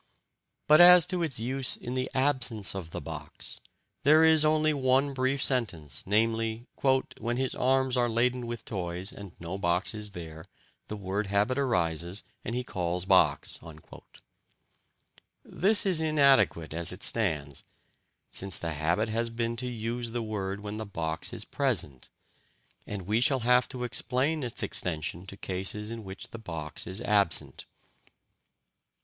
But as to its use in the absence of the box, there is only one brief sentence, namely: "When his arms are laden with toys and no box is there, the word habit arises and he calls 'box.'" This is inadequate as it stands, since the habit has been to use the word when the box is present, and we have to explain its extension to cases in which the box is absent.